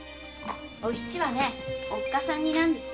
お七はおっかさん似なんですよ。